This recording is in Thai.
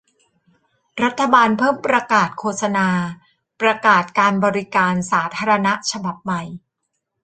รัฐบาลเพิ่งประกาศโฆษณาประกาศการบริการสาธารณะฉบับใหม่